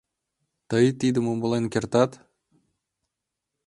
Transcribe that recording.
Тый тидым умылен кертат?